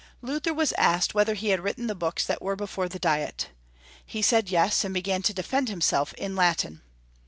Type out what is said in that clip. Luther was asked whether he had written the books that were before the Diet. He said yes, and began to defend himself in Latin.